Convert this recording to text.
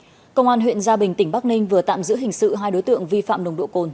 công an huyện gia bình tỉnh bắc ninh vừa tạm giữ hình sự hai đối tượng vi phạm nồng độ cồn